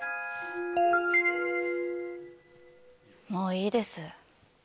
もういいです。